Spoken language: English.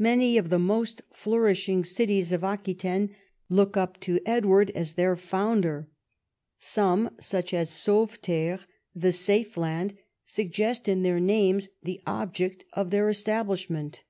Many of the most flourish ing cities of Aquitaine look up to Edward as their founder. Some, such as Sauveterre, the safe land, suggest in their names the object of their establishment.